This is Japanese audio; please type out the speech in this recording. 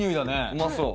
うまそう